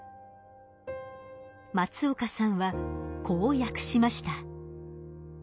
松岡さんはこう訳しました。